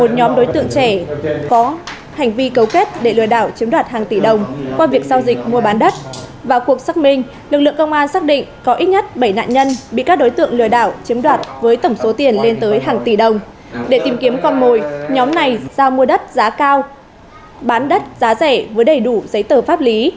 nhóm này giao mua đất giá cao bán đất giá rẻ với đầy đủ giấy tờ pháp lý